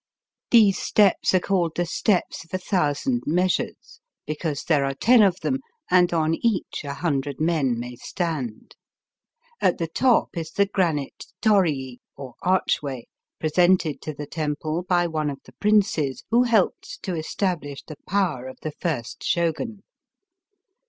These steps are called *' the steps of a thousand measures," because there are ten of them, and on each a hundred men may stand* At the top is the granite toriiy or archway, presented to the temple by one of the princes who helped to establish the power of the first Shogun.